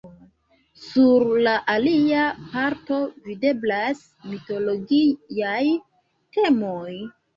Sur la alia parto videblas mitologiaj temoj.